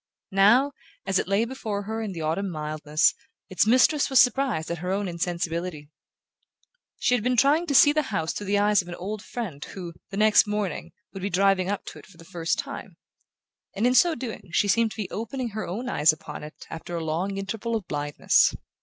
Now, as it lay before her in the autumn mildness, its mistress was surprised at her own insensibility. She had been trying to see the house through the eyes of an old friend who, the next morning, would be driving up to it for the first time; and in so doing she seemed to be opening her own eyes upon it after a long interval of blindness.